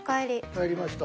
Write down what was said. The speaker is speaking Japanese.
帰りました。